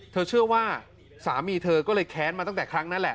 เธอเชื่อว่าสามีเธอก็เลยแค้นมาตั้งแต่ครั้งนั้นแหละ